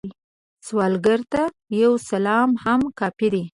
سوالګر ته یو سلام هم کافی وي